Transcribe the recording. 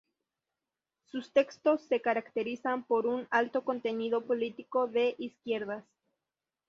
Sus textos se caracterizan por un alto contenido político de izquierdas.